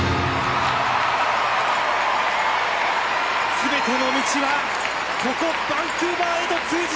全ての道はここバンクーバーへと通じていた！